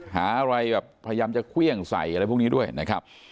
หาอะไรแบบพยายามจะเครื่องใส่อะไรพวกนี้ด้วยนะครับ